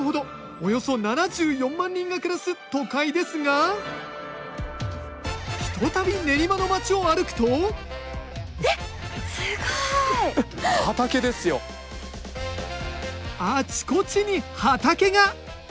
およそ７４万人が暮らす都会ですが一たび練馬の街を歩くとあちこちに畑が！